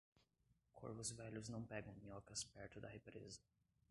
Corvos velhos não pegam minhocas perto da represa.